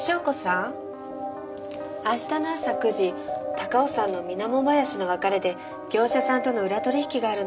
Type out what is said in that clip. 高尾山の水面林の別れで業者さんとの裏取引があるの。